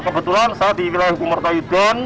ya kebetulan saya di wilayah bumerta yudan